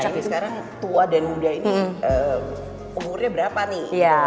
tapi sekarang tua dan muda ini umurnya berapa nih